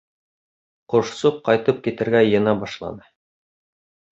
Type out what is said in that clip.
Ҡошсоҡ ҡайтып китергә йыйына башланы.